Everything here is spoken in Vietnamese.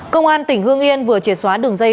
công an tỉnh hương yên vừa triệt xóa đường dây